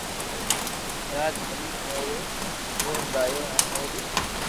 راھ جالين او رو گڻگايو ھين او ري